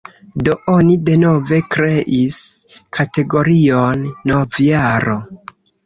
Do, oni denove kreis kategorion "novjaro".